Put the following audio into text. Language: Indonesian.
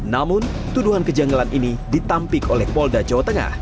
namun tuduhan kejanggalan ini ditampik oleh polda jawa tengah